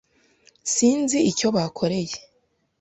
Sinzi icyo bakoreye .